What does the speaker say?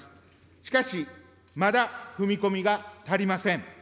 しかし、まだ踏み込みが足りません。